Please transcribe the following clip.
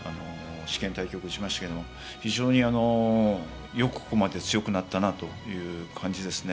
試験対局打ちましたけども非常によくここまで強くなったなという感じですね。